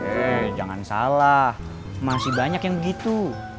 eh jangan salah masih banyak yang begitu